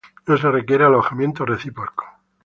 No se requiere alojamiento recíproco.